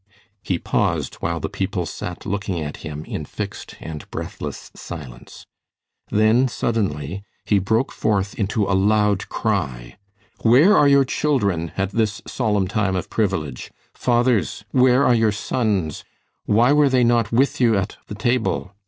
He paused while the people sat looking at him in fixed and breathless silence. Then, suddenly, he broke forth into a loud cry: "Where are your children at this solemn time of privilege? Fathers, where are your sons? Why were they not with you at the Table?